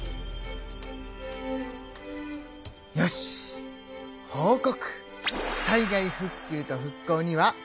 よし報告。